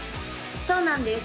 そうなんです